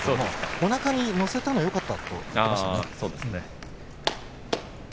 おなかに乗せたのがよかったと言っていました。